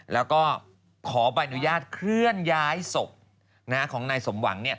แล้วก็ขอใบอนุญาตเคลื่อนย้ายศพของนายสมหวัง